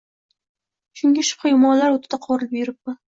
Shunga shubha-gumonlar o`tida qovurilib yuribman